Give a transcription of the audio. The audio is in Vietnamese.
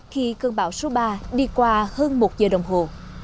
khi cơn bão số ba đi qua hơn một giờ đồng hồ